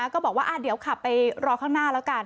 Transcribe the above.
ก็บอกว่าเดี๋ยวขับไปรอข้างหน้าแล้วกัน